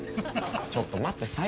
ちょっと待って最悪。